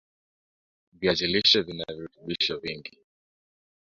viazi lishe vina virutubisho vingi